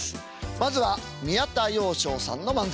まずは宮田陽・昇さんの漫才。